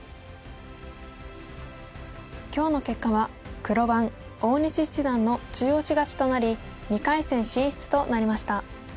今日の結果は黒番大西七段の中押し勝ちとなり２回戦進出となりました。